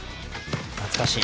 懐かしい。